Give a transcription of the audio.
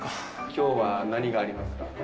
今日は何がありますか？